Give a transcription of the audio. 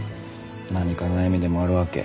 何か悩みでもあるわけ？